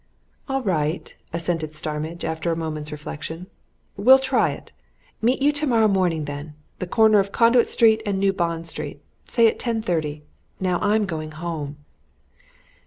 "All right," assented Starmidge, after a moment's reflection. "We'll try it! Meet you tomorrow morning, then corner of Conduit Street and New Bond Street say at ten thirty. Now I'm going home."